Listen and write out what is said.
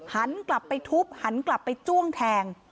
หันกลับไปทุบหันกลับไปจ้วงแทง